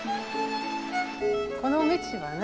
この道はね